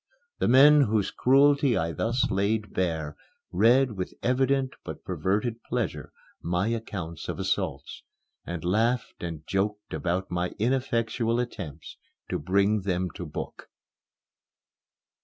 The men whose cruelty I thus laid bare read with evident but perverted pleasure my accounts of assaults, and laughed and joked about my ineffectual attempts to bring them to book.